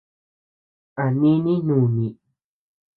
A nínii núni.